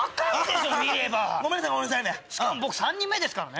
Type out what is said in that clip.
しかも僕３人目ですからね。